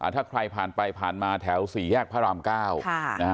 ถ้าใครผ่านไปผ่านมาแถว๔แยกพระราม๙